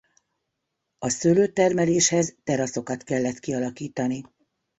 A szőlőtermeléshez teraszokat kellett kialakítani.